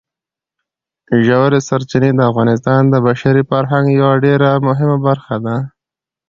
ژورې سرچینې د افغانستان د بشري فرهنګ یوه ډېره مهمه برخه ده.